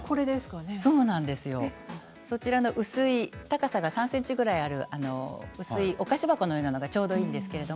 そちらの高さは３ｃｍぐらいの薄いお菓子箱のようなものがちょうどいいんです。